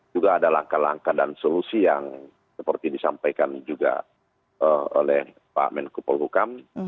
juga ada langkah langkah dan solusi yang seperti disampaikan juga oleh pak menko polhukam